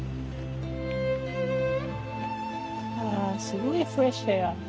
あすごいフレッシュエア。